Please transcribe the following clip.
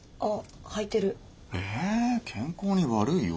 え健康に悪いよ